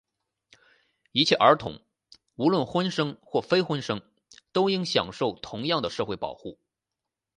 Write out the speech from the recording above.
一切儿童,无论婚生或非婚生,都应享受同样的社会保护。